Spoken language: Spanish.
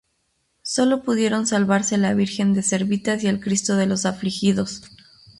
Solo pudieron salvarse la Virgen de Servitas y el Cristo de los Afligidos.